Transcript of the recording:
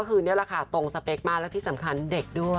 ก็คือนี่แหละค่ะตรงสเปคมากและที่สำคัญเด็กด้วย